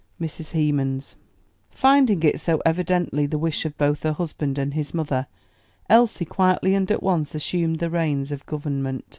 MRS. HEMANS. Finding it so evidently the wish of both her husband and his mother, Elsie quietly and at once assumed the reins of government.